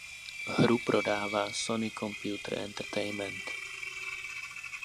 Hru prodává Sony Computer Entertainment.